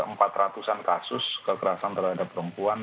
keputusan kasus kekerasan terhadap perempuan